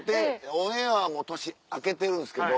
オンエアはもう年明けてるんですけど。